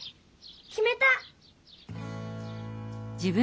きめた！